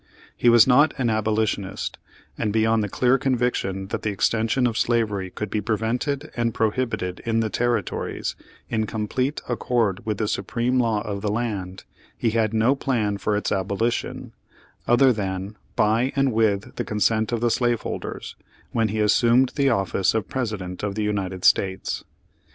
He was not an abolitionist, and beyond the clear conviction that the extension of slavery could be prevented and prohibited in the territories, in complete accord with the Supreme Law of the land, he had no plan for its abolition, other than by and with the consent of the slave holders, when he assumed the office of President of the United States.